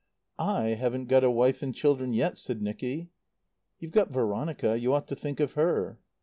"I haven't got a wife and children yet," said Nicky. "You've got Veronica. You ought to think of her."